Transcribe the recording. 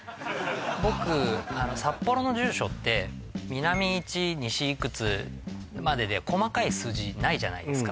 僕札幌の住所って南１西いくつまでで細かい数字ないじゃないですか